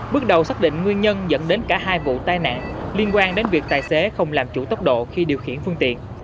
bước đầu xác định nguyên nhân dẫn đến cả hai vụ tai nạn liên quan đến việc tài xế không làm chủ tốc độ khi điều khiển phương tiện